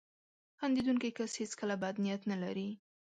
• خندېدونکی کس هیڅکله بد نیت نه لري.